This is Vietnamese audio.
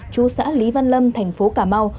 chú xã lý văn lâm thành phố cà mau